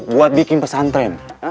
buat bikin pesantren